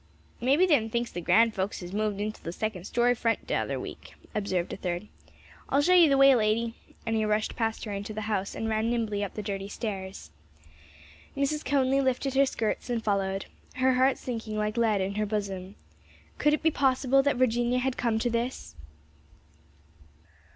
"Mebbe thems the grand folks as moved intill the second story front t'other week," observed a third. "I'll show ye the way, lady," and he rushed past her into the house and ran nimbly up the dirty stairs. Mrs. Conly lifted her skirts and followed, her heart sinking like lead in her bosom. Could it be possible that Virginia had come to this?